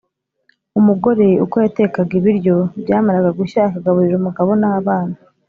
Umugore uko yatekaga ibiryo, byamaraga gushya akagaburira umugabo n’abana.